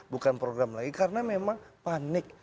bukan program lagi karena memang panik